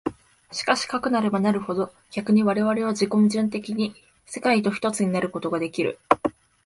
しかしてかくなればなるほど、逆に我々は自己矛盾的に世界と一つになるということができる。